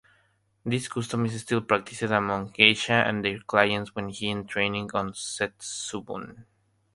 This custom is still practiced among geisha and their clients when entertaining on Setsubun.